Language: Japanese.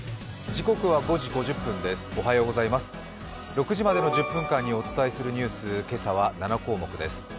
６時までの１０分間にお伝えするニュース、今朝は７項目です。